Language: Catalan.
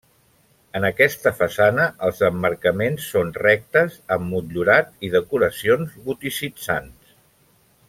En aquesta façana els emmarcaments són rectes amb motllurat i decoracions goticitzants.